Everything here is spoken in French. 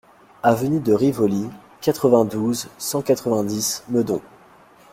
Avenue de Rivoli, quatre-vingt-douze, cent quatre-vingt-dix Meudon